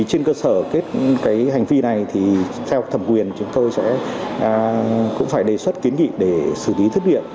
trên cơ sở hành vi này theo thẩm quyền chúng tôi sẽ đề xuất kiến nghị để xử lý thất viện